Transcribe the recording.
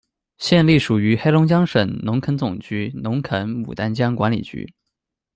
现隶属于黑龙江省农垦总局农垦牡丹江管理局。